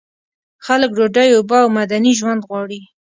خلک ډوډۍ، اوبه او مدني ژوند غواړي.